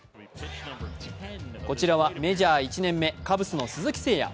こちらはメジャー１年目、カブスの鈴木誠也。